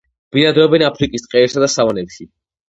ბინადრობენ აფრიკის ტყეებსა და სავანებში.